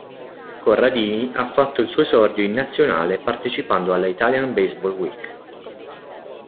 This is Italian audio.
Corradini ha fatto il suo esordio in Nazionale partecipando alla Italian Baseball Week.